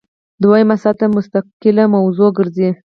دویمه سطح مستقل موضوع ګرځي.